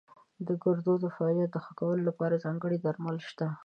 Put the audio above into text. د ګردو د فعالیت ښه کولو لپاره ځانګړي درمل شته.